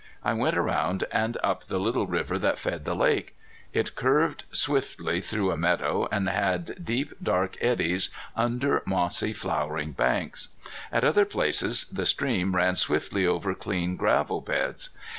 I went around and up the little river that fed the lake. It curved swiftly through a meadow, and had deep, dark eddies under mossy, flowering banks. At other places the stream ran swiftly over clean gravel beds.